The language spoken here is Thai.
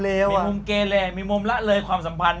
มีมุมเกเลมีมุมละเลยความสัมพันธ